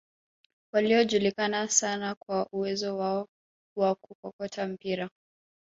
waliojulikana sana kwa uwezo wao wa kukokota mipira